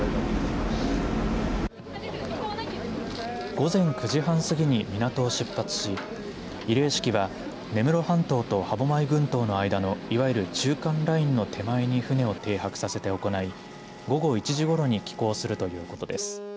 午前９時半過ぎに港を出発し慰霊式は根室半島と歯舞群島の間のいわゆる中間ラインの手前に船を停泊させて行い午後１時ごろに帰港するということです。